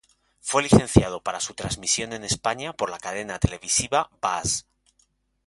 Fue licenciado para su transmisión en España por la cadena televisiva Buzz.